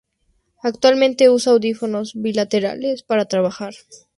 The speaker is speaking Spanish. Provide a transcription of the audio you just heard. Actualmente usa audífonos bilaterales para trabajar.